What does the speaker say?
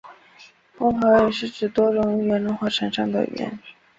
混合语是指多种语言融合产生的语言。